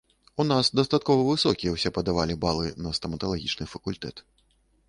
У нас дастаткова высокія ўсе падавалі балы на стаматалагічны факультэт.